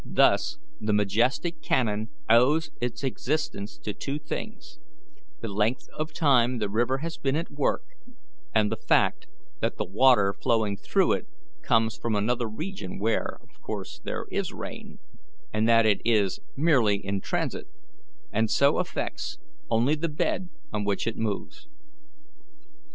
Thus the majestic canon owes its existence to two things: the length of time the river has been at work, and the fact that the water flowing through it comes from another region where, of course, there is rain, and that it is merely in transit, and so affects only the bed on which it moves.